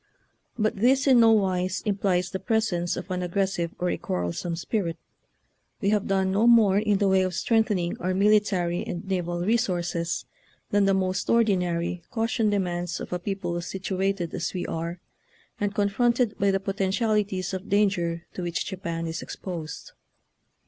But this in no wise implies the presence of an aggressive or a quarrelsome spirit. We have done no more in the way of strength ening our military and naval resources than the most ordinary caution demands of a people situated as we are and con fronted by the potentialities of danger to which Japan is exposed.